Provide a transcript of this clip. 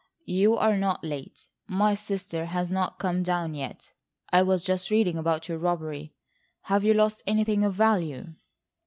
"You are not late. My sister has not come down yet. I was just reading about your robbery. Have you lost anything of value?"